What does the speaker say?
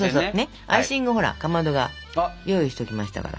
アイシングはほらかまどが用意しておきましたから。